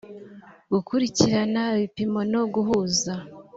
gukurikirana ibipimo no guhuza